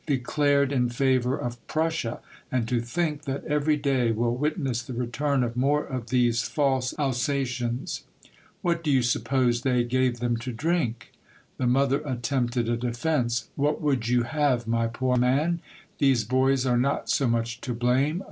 — declared in favor of Prussia; and to think that every day will witness the return of more of these false Alsatians ! What do you suppose they gave them to drink? " The mother attempted a defence. " What would you have, my poor man? These boys are not so much to blame.